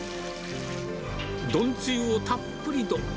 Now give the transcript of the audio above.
丼つゆをたっぷりと。